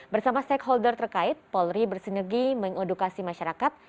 bersama stakeholder terkait polri bersinergi mengedukasi masyarakat